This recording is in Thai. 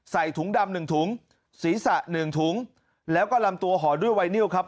ใส่ถุงดำ๑ถุงศีรษะ๑ถุงแล้วก็ลำตัวห่อด้วยไวนิวครับ